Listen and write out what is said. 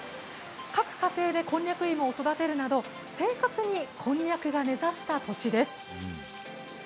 各家庭でこんにゃく芋を育てるなど、生活にこんにゃくが根ざした土地です。